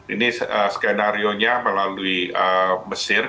ini skenario nya melalui mesir